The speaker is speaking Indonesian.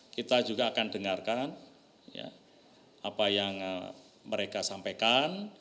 kita juga akan dengarkan apa yang mereka sampaikan